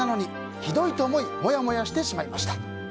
ひどいと思いモヤモヤしてしまいました。